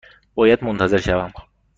باید منتظر شوم؟